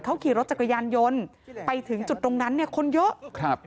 เขาขี่รถจักรยานยนต์ไปถึงจุดตรงนั้นคนเยอะ